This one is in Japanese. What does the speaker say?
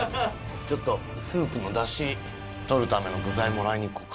ちょっとスープの出汁取るための具材もらいに行こうか。